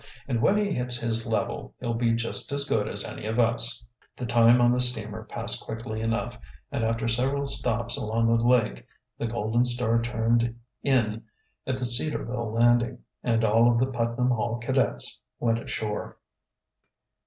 "And when he hits his level he'll be just as good as any of us." The time on the steamer passed quickly enough, and after several stops along the lake, the Golden Star turned in at the Cedarville landing, and all of the Putnam Hall cadets went ashore.